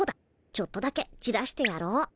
ちょっとだけじらしてやろう。